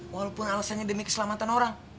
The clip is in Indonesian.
walaupun alasannya demi keselamatan orang